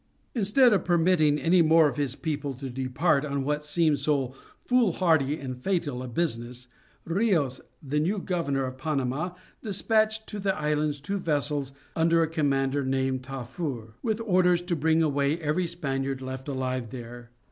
] Instead of permitting any more of his people to depart on what seemed so foolhardy and fatal a business, Rios, the new governor of Panama, despatched to the island two vessels, under a commander named Tafur, with orders to bring away every Spaniard left alive there.